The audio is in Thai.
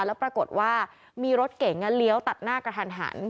แล้วปรากฏว่ามีรถเก๋งเลี้ยวตัดหน้ากระทันหัน